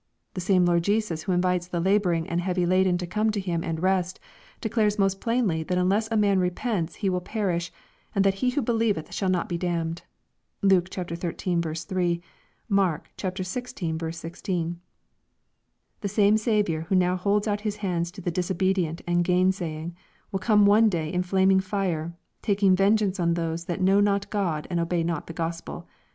The same Lord Jesus who invites the laboring and heavy laden to come to Him and rest, declares most plainly that unless a man repents he will perish, and that he who believeth not shall be damned. (Luke xiiL 3 ; Mark xvi. 16.) The same Saviour who now holds out His hands to the disobedient and gainsaying, will couie one day in flaming fire, taking vengeance on those that know not God and obey not the Gospel.